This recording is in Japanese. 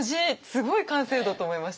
すごい完成度と思いました。